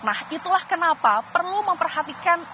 nah itulah kenapa perlu memperhatikan